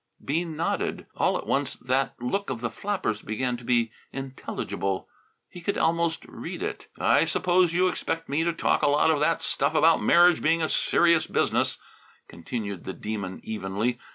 Bean nodded. All at once that look of the flapper's began to be intelligible. He could almost read it. "I suppose you expect me to talk a lot of that stuff about marriage being a serious business," continued the Demon evenly.